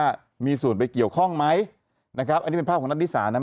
ว่ามีส่วนไปเกี่ยวข้องไหมนะครับอันนี้เป็นภาพของนัทธิสานะ